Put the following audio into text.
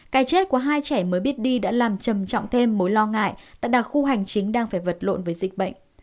cái chết của hai trẻ mới biết đi đã làm trầm trọng thêm mối lo ngại tại đặc khu hành chính đang phải vật lộn với dịch bệnh